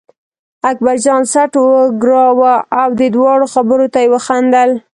اکبرجان څټ و ګراوه او د دواړو خبرو ته یې وخندل.